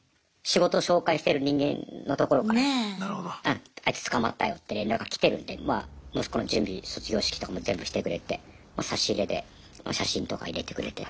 仕事紹介してる人間のところからあいつ捕まったよって連絡来てるんでまあ息子の準備卒業式とかも全部してくれて差し入れで写真とか入れてくれて。